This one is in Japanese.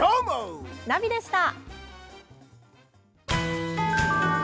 ナビでした。